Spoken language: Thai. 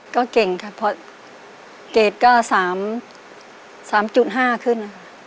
ก็เก่งครับเพราะเกรดก็๓๕ขึ้น